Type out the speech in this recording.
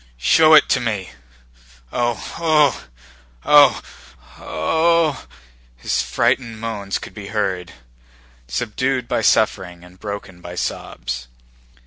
"Show it to me.... Oh, ooh... Oh! Oh, ooh!" his frightened moans could be heard, subdued by suffering and broken by sobs.